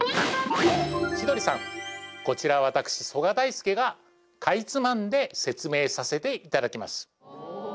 千鳥さんこちら私曽我大介がかいつまんで説明させていただきます